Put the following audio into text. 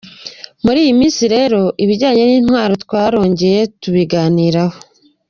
Muri iyi minsi rero, ibijyanye n’intwaro twarongeye tubiganiraho ”